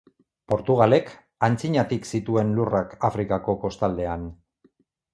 Portugalek antzinatik zituen lurrak Afrikako kostaldean.